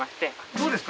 どうですか？